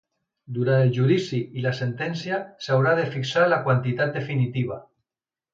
Durant el judici i la sentència s’haurà de fixar la quantitat definitiva.